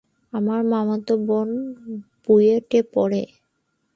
তার মামাতো বোন বুয়েটে পড়ে।